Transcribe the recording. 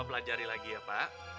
belajar lagi ya pak